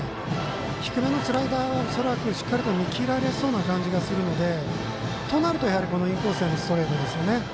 低めのスライダーはしっかりと見切られそうな感じがするのでとなると、やはりインコースへのストレートですよね。